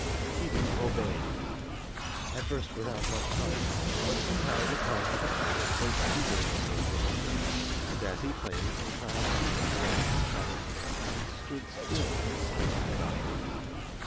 Tiidu obeyed, at first without much heart; but somehow the tone of the pipes was sweeter than he had remembered, and as he played, the crowd ceased to walk and chatter, and stood still and silent round him.